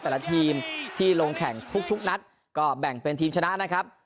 แต่ละทีมที่ลงแข่งทุกนัดก็แบ่งเป็นทีมชนะนะครับ